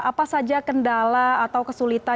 apa saja kendala atau kesulitan yang diberikan